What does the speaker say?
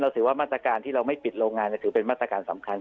ถือว่ามาตรการที่เราไม่ปิดโรงงานถือเป็นมาตรการสำคัญ